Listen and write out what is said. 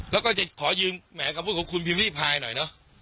แล้วก็จะขอยืนแหมกะพุ้กับคุณพิวิพายหน่อยเนาะ